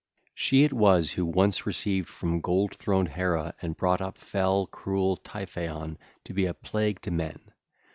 She it was who once received from gold throned Hera and brought up fell, cruel Typhaon to be a plague to men.